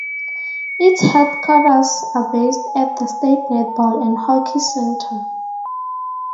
Its headquarters are based at the State Netball and Hockey Centre.